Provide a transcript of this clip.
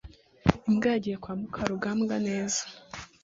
imbwa yagiye kwa mukarugambwa neza